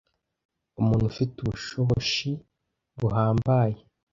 umuntu ufite ubushoboshi buhambaye